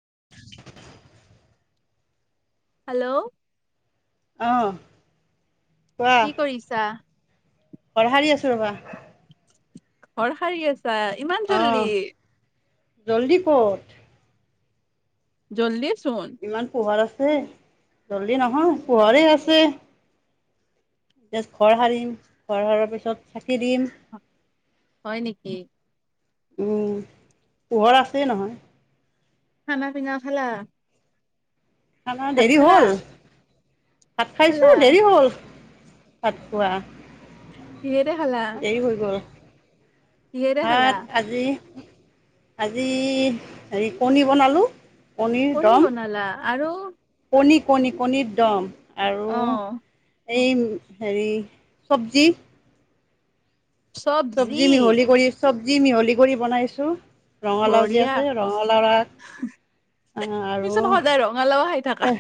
[unintelligible] Hello. অ। কি কৰিছা? ঘৰ হাৰি আছো, ৰবা। ঘৰ সাৰী আছে। ইমান অঁ জল্দি। জল্দি ক'ত? জল্দি ইমান পোহৰ আছে জল্দি নহয়, পোহৰে আছে। এতিয়া ঘৰ সাৰিম, ঘৰ সাৰাৰ পিছত চাকি দিম। হয় নেকি। উম, পোহৰ আছেই নহয়। খানা, পিনা খালা? খানা ভাত দেৰি খালা? হ'ল। ভাত খালা খাইছো, দেৰি হ'ল। পাতোৱা- [unintelligible] কিহে দি খালা? কিহেৰে খালা? ভাত আজি- আজি হেৰি, কণী বনালো। কণীৰ কণী দম। বনালা আৰু- কণী, কণী, কণীৰ দম। আৰু অঁহ এই হেৰি, চবজি- চবজি মিহলি কৰি, চব- যি মিহলি কৰি বনাইছো। ৰঙালাও, যি' বঢ়িয়া আছে, ৰঙালাও আগ তুমিচোন সদায় ৰঙালাও খাই থাকা। আৰু-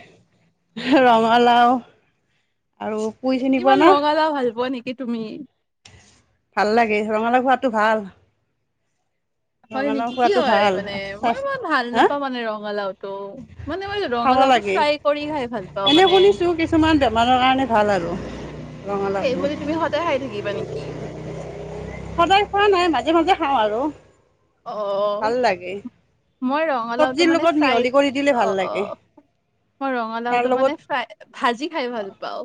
ৰঙালাও আৰু- পুই চিনি পোৱা ইমান না ৰঙালাও ভাল পোৱা নে- কি তুমি? ভাল লাগে ৰঙালা খোৱটো ভাল। হয় ৰঙালাও নেকি কি খোৱাটো হয় ভাল মানে মই স্বাস্থ্য ইমান ভাল হা নাপাওঁ মানে ৰঙালাওটো মানে মই খাব ৰঙালাওটো লাগে ফ্ৰাই কৰি খাই ভাল পাও এনে মানে শুনিছোঁ কিছুমান বেমাৰৰ কাৰণে ভাল আৰু সেই ৰঙালাওটো বুলি তুমি সদায় খাই থাকিবা নেকি। সদায় খোৱা নাই মাজে মাজে খাওঁ আৰু। অ ভাল লাগে মই ৰঙালাওঁটো চব্জিৰ মানে লগত ফ্ৰাই মিহলি কৰি দিলে ভাল অ অ লাগে মই তাৰ ৰঙালাওটো লগত মানে ফাই ভাজি খাই ভাল পাওঁ।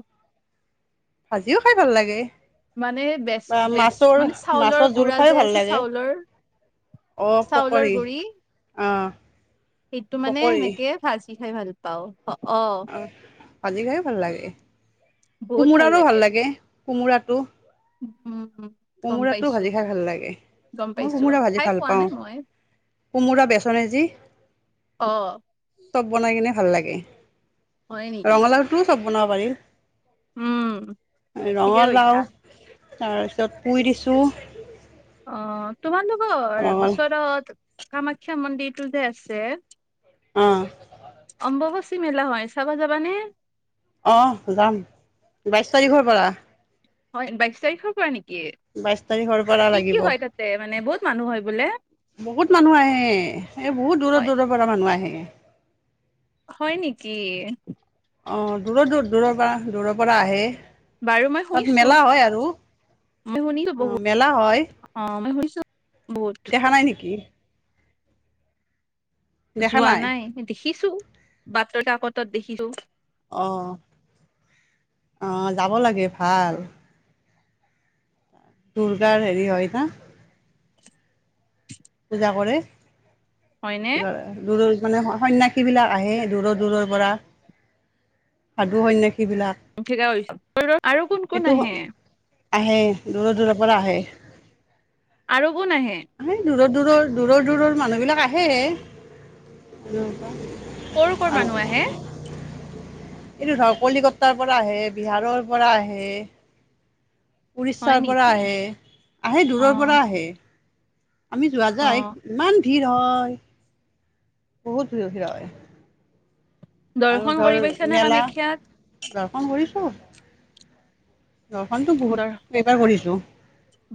ভাজিও খাই ভাল লাগে। মানে বেচ বা বেচ মাছৰ মানে মাছৰ চাউলৰ জোল গুড়া খাইও যাই ভাল আছে লাগে চাউলৰ অ', চাউলৰ পকৰী গু়ৰি। অ', সেইটো মানে পকৰী সেনেকে ভাল। কি খাই ভাল পাওঁ। অ অ। আজি খাই ভাল লাগে। কোমোৰাৰো ভাল লাগে। কোমোৰাটো। উম। গম কোমোৰাটো পাইছো ভাজি খাই ভাল লাগে। গম মই পাইছো কোমোৰা ভাজি খাই ভাল পোৱা পাওঁ। নাই মই কোমোৰা বেচন এ যি। অ চব বনাই কিনে ভাল লাগে। হয় নেকি ৰঙালাও টো চব। বনাব পাৰি। উম ঠিকে ৰঙা কৈছা লাওঁ। তাৰ। য'ত পুই দিছোঁ। অ। তোমাল লোকৰ ৰঙাল ওচৰত। কামাখ্যা মন্দিৰটো যে আছে। অ। অম্ববচী মেলা হয় চাবা যাবানে। অ হ যাম বাইশ তাৰিখৰ পৰা। হয় বাইশ তাৰিখৰ পৰা নেকি। বাইশ তাৰিখৰ পৰা কি কি লাগিব হয় তাতে মানে বহুত মানুহ হয় বোলে বহুত মানুহ আহে এই বহুত দূৰৰ হয় দূৰৰ পৰা মানুহ আহে। হয় নেকি। অ দূৰৰ দূৰ দূৰৰ পৰা দূৰৰ পৰা আহে। বাৰু মই তাত শুনিছো মেলা হয় আৰু ম শুনিছো অঁ মেলা হয় বহুত অ মই শুনিছো। বহুত দেখা নাই নেকি। যোৱা নাই দেখিছো। বাতৰ কাকতত দেখিছো। আহ আহ যাব লাগে ভাল। দুৰ্গাৰ হেৰি হয় ন। পূজা কৰে। হয়নে [unintelligible] মানে সন্য়্যাসীবিলাক আহে দূৰৰ দূৰৰ পৰা সাধু সন্য়্যা। ঠিকাছো আৰু কোন কোন সেইটো আহে। আহে দূৰৰ দূৰৰ পৰা আহে। আৰু কোন আহে। দূৰ দূৰৰ দূৰৰ দূৰৰ মানুহ বিলাক আহে। কৰ' কৰ' আৰু মানুহ আহে। এইটো ধৰ কলিকতাৰ পৰা আহে বিহাৰৰ পৰা আহে। হয় উৰিষ্যাৰ পৰা নেকি আহে আহে অ দূৰৰ পৰা আহে। আমি যোৱা অ যায় ইমান। ভিৰ হয়। বহুত বি ভিৰ হয়। দৰ্শন কৰি পাইছা নে কামাখ্যাত। ঘৰখন কৰিছো। ঘশনতটো বহুত দৰ কেবাৰ কৰিছোঁ।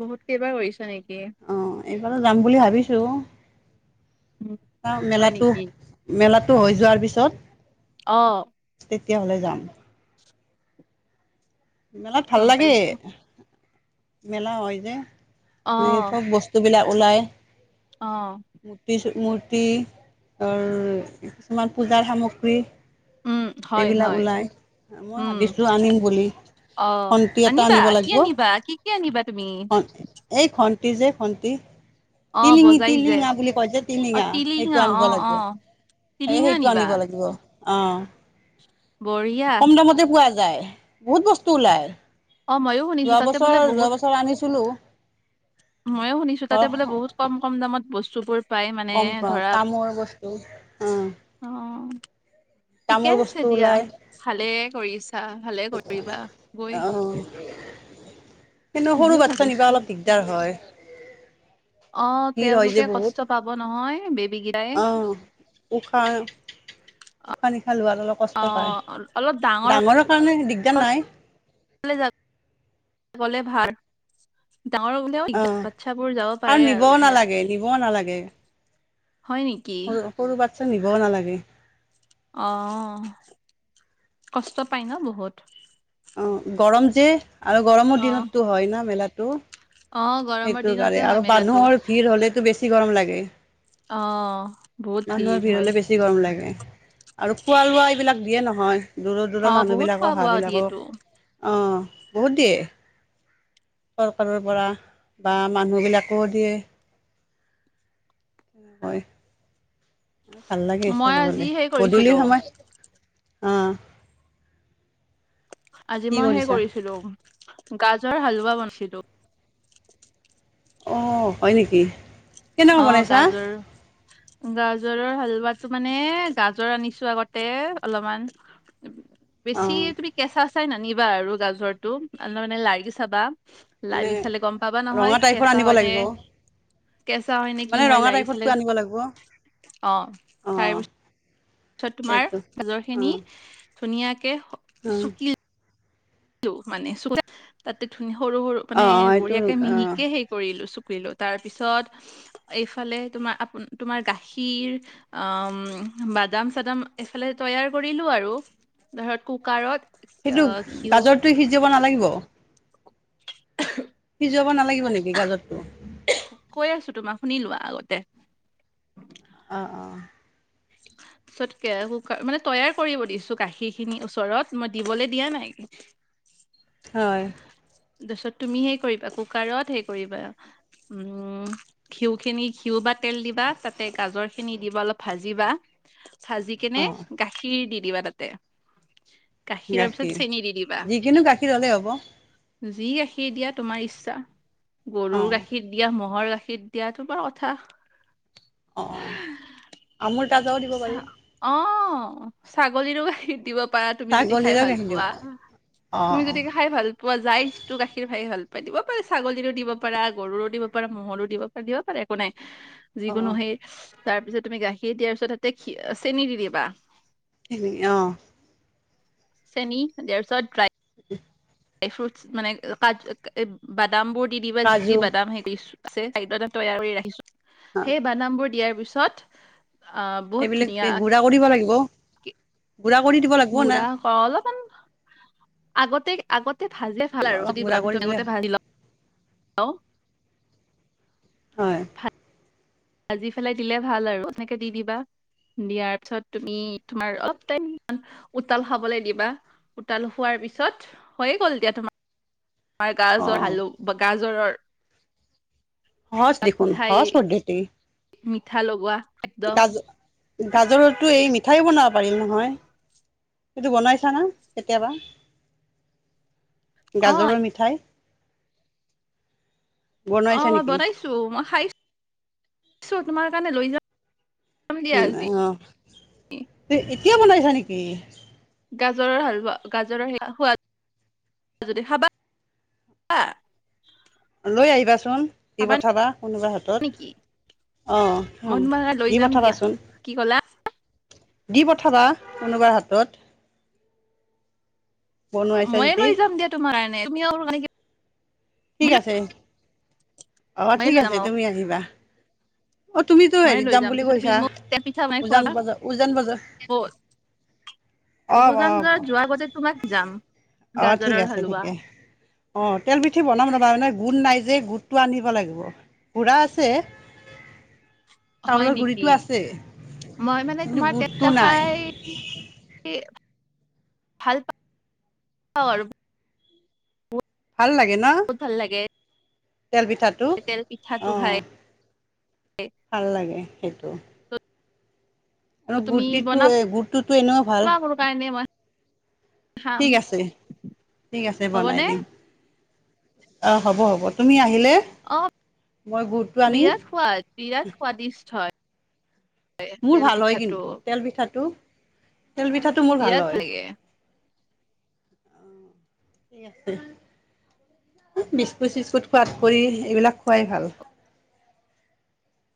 বহুত কেইবাৰ কৰিছা নে। কি। এইফালে যাম বুলি ভাবিছো। উম, [inaudible] হয় মেলাটো নেকি মেলাত। -টো হৈ যোৱাৰ পিছত অ'হ। তেতিয়াহলে যাম। মেলাত ভাল গম লাগে। পাইছো মেলা হয় যে। অ নে চব বস্তু বিলাক। ওলায় অ মুতিছো। মূৰ্তি। আৰ তোমাৰ পূজাৰ সামগ্ৰী। উম, হয়, এইবিলাক হয়। ওলায়। মই উম, ভাবিছো আনিম বুলি। অ খন্তি এটা আনিবা। আনিব কি লাগিব আনিবা! কি কি আনিবা তুমি? সন্তি যে সন্তি। অ', টিলিঙি- বজাই যে টিলিঙা বুলি কয় যে অ', টিলিঙা। সেইটো আনিব অ', লাগিব। অ', এই টিলিঙা সেইটো আনিবা আনিব লাগিব অ'হ। বঢ়িয়া। পোৱা যায়। বহুত বস্তু। টোলাই। অ', ময়ো শুনিছো যোৱা তাতে বোলে বছৰ, যোৱা বহুত বছৰ আনিছিলোঁ। ময়ো শুনিছো তাতে বোলে বহুত কম -কম দামত বস্তু। চুপুৰপ কম পোৱা তামৰ বস্তু, অ। অ', ঠিকে তামৰ আছে বস্তু দিয়া, ওলাই ভালে। কৰিছ। চা। ভালে কৰিবা অ গৈ। কিন্তু সৰু ময়ো বাচ্ছা নিবা ভাবিছো অলপ দিগদাৰ হয়। অ তেওঁলোকে কষ্ট পাব নহয়। বেব অহ উশা হ-নিশাহ লোৱাতো অলপ কষ্ট পায়, অ', অল- অলপ ডাঙৰ ডাঙৰৰ কাৰণে দিগদাৰ নাই। হ'লে যা- গলে ভাল। ডাঙৰ বোলেও। অ বাচ্ছাবোৰ যাব পাৰে আৰু ধৰা। এক। হয় নেকি? চা নিব নালাগে। অ, কষ্ট পাই ন বহুত। অ, গৰম। দে। আৰু গৰমৰ অ', দিনততো হয় না মেলাত। তো। অ', গৰমৰ সেইটো দিনতে কাৰণে হয় আৰু মেলাটো মানুহৰ ভিৰ হলেতটো বেছি। কি গৰম লাগে। অ বহুত মানুহৰ ভিৰ হলে হয়। বেছি গৰম লাগে আৰু খোৱা লোৱা এইবিলাক দিয়ে নহয়। দূৰৰ দূৰৰ অ', বহুত খোৱা মানুহবিলাকৰ বোৱা হাবিলাকক, দিয়েতো অ। বহুত দিয়ে, চৰকাৰৰ পৰা। বা মানুহবিলাকো দিয়ে, হয়। ভাল লাগে চাব মই গলে, আজি সেই গধূলি কৰিছিলো সময়। অ। আজি কি মই হেই কৰিছা কৰিছিলো, গ জৰ হালোৱা বনছিলো। অ হয় নেকি। অ, কেনেকুৱা বনাইছা গাজৰ, গাজ। গাজৰৰ হালোৱাাতটো মানে গাজৰ আনিছো আগতে অলপমান। বেছি অঁ তুমি কেঁচা আ। চাই নানিবা আৰু গাজৰটো আ মানে লাৰি চাবা। মানে লাৰি চালে গম পাবা নহয় ৰঙা টাইপৰ কেঁচা আনিব হয়, নে। লাগিব কেঁচা হয় নে কি মানে হয়, ৰঙা লাৰি চালে, টাইপৰটো আনিব লাগিব অ তাৰ অঁ পিছত। তাৰছত তোমাৰ সেইটো মাজৰ খিনি। অঁ ধুনীয়া কে অঁ শুকিল। মানে চু তাতে ধুনীয়া। সৰু সৰু মানে অঁ অঁ এইটো বঢ়িয়াকে অঁ মিহিকে হেইৰিলো চ। তুলিলোঁ তাৰ পিছত, এইফালে তোমাৰ তোমাৰ গাখীৰ, বাদাম চাদাম এইফালে তৈয়াৰ কৰিলো আৰু। ধৰ কুকাৰত, আহ ঘিউ হিযুলো। দ নালাগিব সিজোৱাব নালাগিব নেকি? গাজৰতটো। কৈ আছো তোমাক শুনি লোৱা, আগতে। অ অ। পিছত কুকাৰ মানে, তৈয়াৰ কৰিব দিছো গাখীৰ খিনি ওচৰত মই দিবলৈ দিয়া নাই। ছ। তাৰপিছত তুমি হেই কৰিবা কুকাৰত হেই কৰিবা, উম ঘিউ খিনি ঘিউ বা তেল দিবা তাতে গাজৰ খিনি দিবা অলপ ভাজিবা। চাজি কেনে অঁ গাখীৰ দি। দিবা তাতে। গাখীৰৰ পিছত গাখীৰ, চেনি দি দিবা যিকিনো গাখীৰ ললেই হ'ব। যি ৰাখি দিয়া তোমাৰ ইচ্ছা। গৰুৰ অঁ গাখীৰ দিয়া মহ'হৰ গাখীৰ। গাখীত দিয়াটো বাৰ কথা। অ, আমুৰ তাজাও দিব পাৰি। চা- অ ছাগলী বাকি দিব। পাৰা তুমি যদি খাই ছাগলীৰো ভাল গাখীৰ দিব পোৱা, অঁ তুমি অঁ যদি খাই ভাল। যাইছটো গাখীৰ খাই ভাল পাই দিব পাৰে ছাগলীৰো দিব পাৰা গৰুৰো দিব পাৰা ম'হৰো দিব পাৰা দিব পাৰে একো নাই অঁ যিকোনো সেই তাৰপিছত তুমি গাখীৰ দিয়াৰ পিছত তাতে চেনি দি দিবা ই অঁ! চেনি দিয়াৰ পিছত ড্ৰাই উম ড্ৰাই ফ্ৰুটছ মানে কাজু অ' বা বাদাম বোৰ দি দিবা যি কাজু যি বাদাম সেই আছে খাদ্য এটা তৈয়াৰ কৰি ৰাখিছো। সেই বাদাম বোৰ দিয়াৰ, তাৰ পিছত, আহ বহুত সেইবিলাক ধুনীয়া দি গুৰা কৰিব লাগিব। গুঢ়া কৰি দিব লাগিব না, গুড়া কৰ- অলপমান আগতে আগতে ভাজিয়ে ভাল আৰু অলপ যদি গুড়া কৰি দিলে আগতে ভাজি ল, হেল্'! হয়! ভাজি পেলাই দিলে ভাল আৰু এনেকে দি দিবা দিয়াৰ পিছত তুমি তোমাৰ অলপ টাইম উতল খাবলৈ দিবা উতাল হোৱাৰ পিছত হৈয়ে গ'ল দিয়া তোমাৰ। আমাৰ গাজৰ অ' হালো বা গাজৰৰ সহজ দেখোন মিঠাই সহজ পদ্ধতি মিঠা লগোৱা [unintelligible] গাজৰোটোএই মিঠাইয়ও বনাব পাৰিম নহয় সেইটো বনাইছানে কেতিয়াবা অ গাজৰৰ মিঠাই অঁ বনাইছা মই নেকি বনাইছো মই খাইছো তোমাৰ কাৰণে লৈ যাওঁ উম অ' এতিয়াও বনাইছা নেকি গাজৰৰ হালৱা গাজৰৰ সোৱাদ যদি খাবা লৈ আহিবাচোন দি খাবা পঠাবা কোনোবা হাতত নেকি অঁ মই হম তোমাৰ কাৰণে লৈ দি যাম দিয়া পঠাবাচোন কি ক'লা দি পঠাবা কোনোবাৰ হাতত বনোৱাইছা ময়ে যদি লৈ যাম দিয়া তোমাৰ কাৰনে তুমি ঠিক আছে অ ময়ে ঠিক লৈ যাম আছে আৰু তুমি আহিবা। অ তুমিতো ময়ে হেৰিত লৈ যাম বুলি তাৰপিছত তুমি কৈছা মোক তেল পিঠা বনাই উজান খোৱাবা বজাৰ উজান বজাৰ অ অ বজাত যোৱাৰ আগতে তোমাক যাম অ ঠিক গাজৰৰ আছে হালোৱা ঠিকে অ তেল পিঠি বনাম নবা মানে। গোণ নাই যে গোটটো আন্নব লাগিব পুৰা আছে। হয় চাউলৰ নেকি গুড়িটো আছে মই মানে কিন্তু তোমাৰ গুড়টো তো নাই খাই। ভাল পাওঁ আৰু। ভাল লাগে ন। বহুত ভাল লাগে তেল পিঠাটো তেল অ পিঠাটো খাই। ভাল লাগে সেই। টো। আৰু তুমি গুটিটো বনাবা এ গুটিটো এনেও ভাল। মোৰ কাৰণে মই খাম ঠিক আছে ঠিক আছে বনাই হ'বনে? দিম। অ হ'ব হ'ব তুমি আহি। অ আনি বিৰাজ সোৱাদ বিৰাজ সাদিষ্ট হয়। মোৰ তেল ভাল হয় পিঠাটো কিন্তু তেল পিঠাটো। তেল পিঠাটো মোৰ বিৰাট ভাল হয়। লাগে। ঠিকেই আছে বিস্কুট চিস্কুত খোৱাত কৈ এইবিলাক খোৱাই ভাল।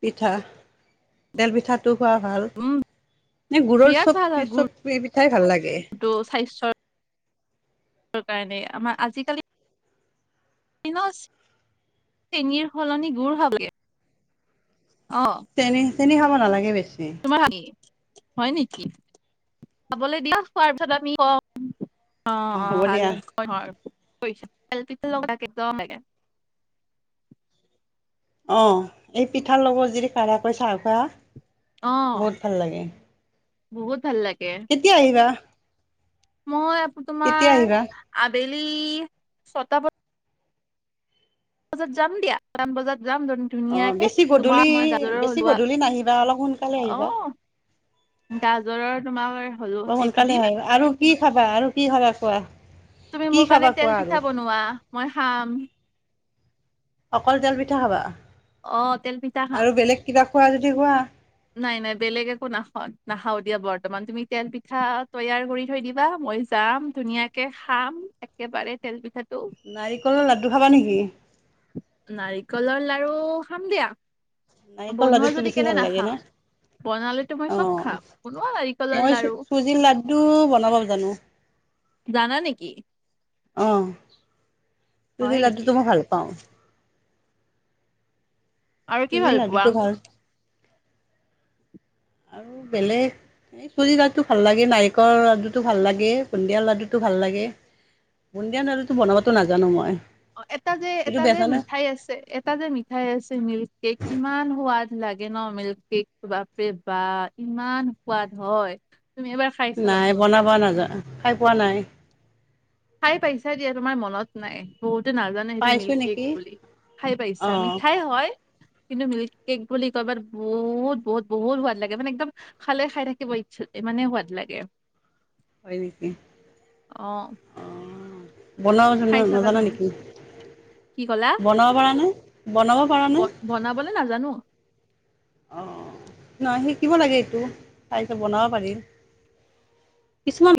পিঠা তেল পিঠাত। টো খোৱা ভাল উম, নে গুৰৰ বিৰাট চব ভাল হয় চব পিঠাই ভাল লাগে। গুৰটো স্বাস্থ্যৰ কাৰণে আমাৰ আজিকালি। দিনত চেনিৰ সলনি গুৰ খাব লাগে। অ' তেনে। চেনি খাব নালাগে বেছি। তোমাৰ। হয় নেকি খাবলৈ দিয়া খোৱাৰ পিছত আমি ক। অ অ হ'ব ভাল দিয়া হয়। পইচা পিছ লগত থাকে। অ এই পিঠা ল'গত যিদি কাঢ়াকৈ চাহ খোৱা। অ', বহুত ভাল লাগে। বহুত। ভাল লাগে কেতিয়া আহিবা। মই আ কেতিয়া তোমাৰ আহিবা আঠ। বেলি ছয়টা বজা। বজাত যাম দিয়া [unintelligible] বজাত। যাম অ ধুনীয়াকে বেছি তোমাৰ গধূলি মই গাজৰৰ বেছি হলোৱা গধূলি নাহিবা অলপ সোনকালে আহিবা অ গাজৰৰ তোমাৰ হলো অলপ সেইটো সোনকালে দিম। আহিবা আৰু কি খাবা আৰু কি খাবা কোৱা। তুমি কি মোৰ খাবা কাৰণে কোৱা তেল আৰু পিঠা বনোৱা মই খাম। অকল তেল পিঠা খাবা। অ তেল পিঠা খাম। আৰু বেলেগ কিবা খোৱা যদি খোৱা। নাই নাই বেলেগ একো নাখাও নাখাও দিয়া বৰ্তমান তুমি তেল পিঠা তৈয়াৰ কৰি থৈ দিবা মই যাম ধুনীয়াকে খাম একেবাৰে তেল পিঠাটো। নাৰিকলৰ লাডু খাবা নেকি। নাৰিকলৰ লাৰু খাম দিয়া। নাৰিকল বনোৱা লাডুটো যদি বেছি কেলে ভাল লাগে নাখাম ন বনালেতো মই অ চব খাম বনোৱা নাৰিকলৰ মই চু লাৰু চুজিৰ লাডু বনাব জানো। জানা নেকি অ। যদি হয় নেকি লডুটো মই ভাল পাওঁ। আৰু কি চুজি ভাল পোৱা। লাড্ডুটো ভাল আৰু বেলেগ এই চুজিৰ লাডুটো ভাল লাগে নাৰিকলৰ লাডুটো ভাল লাগে বুন্দিয়াৰ লাডুটো ভাল লাগে বুন্দিয়া লাডুটো বনাবাতো নাজানো মই। অ এটা যে এইটো এটা যে বেচনে মিঠাই আছে এটা যে মিঠাই আছে মিল্ক কেক কিমান সোৱাদ। লাগে ন মিল্ক কেক বাপৰে বা ইমান সোৱাদ হয়। তুমি এবাৰ খাই নাই চাবাচোন বনাব নাযা। খাই পোৱা নাই। খাই পাইছা দিয়া তোমাৰ মনত নাই বহুত। সটো নাজানে সেইটো পাইছো মিল্ক কেক নেকি? বুলি খাই পাই ইচ্ছা অ', মিঠাই হয়। কিন্তু মিল্ক কেক বুলি কৰবাত বহুত বহুত বহুত সোৱাদ লাগে মানে একদম খালে খাই থাকিব ইচ্ছা মানে সোৱাদ লাগে হয় নেকি অ অ। বনাব জো খাই চাবা নাজানা তুমি নেকি কি ক'লা বনাব পাৰা নে বনাব পাৰা নে। ব- বনাবলে নাজানো অ নহ শিকিব লাগে এইটো তাইতো বনাব পাৰি কিছুমান।